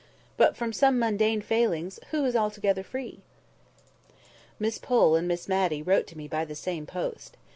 But from some mundane failings who is altogether free?" Miss Pole and Miss Matty wrote to me by the same post.